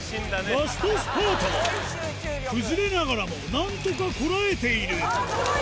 ラストスパート崩れながらもなんとかこらえているあぁスゴい！